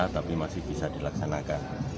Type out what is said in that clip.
tapi masih bisa dilaksanakan